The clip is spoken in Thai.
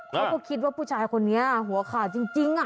เขาก็คิดว่าผู้ชายคนนี้หัวขาดจริง